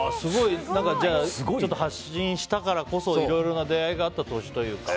じゃあ、発信したからこそいろいろな出会いがあった年と。